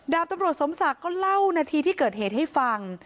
ดาบตำรวจสมศักดิ์ก็เล่านาทีที่เกิดเหตุให้ฟัง